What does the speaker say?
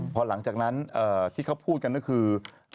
พอหลังจากนั้นที่เขาพูดกันก็คือ